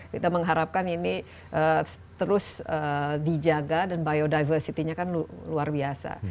kita mengharapkan ini terus dijaga dan biodiversity nya kan luar biasa